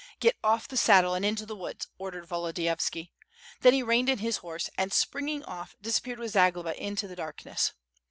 "Get off the saddle and into the woods," ordered Volodi yovski. Then he reined in his horse and springing off disappeared with Zagloba into the darkness.